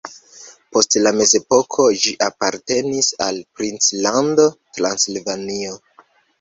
Post la mezepoko ĝi apartenis al princlando Transilvanio.